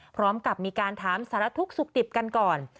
พร้อมกับมีการถามสารทุกข์สุขดิบกันก่อน